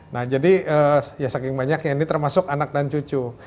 nah jadi ya saking banyaknya ini termasuk anak dan cucu